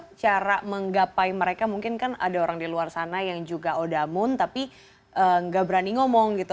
bagaimana cara menggapai mereka mungkin kan ada orang di luar sana yang juga odamun tapi nggak berani ngomong gitu